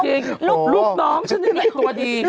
จริงลูกน้องฉันเนี่ยแหละตัวดี